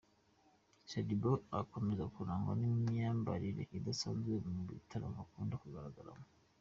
Shadyboo akomeje kurangwa n’ imyambarire idasanzwe mu bitaramo akunda kugaragaramo .